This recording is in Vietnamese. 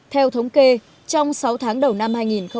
theo thống kê trong sáu tháng đầu năm hai nghìn một mươi tám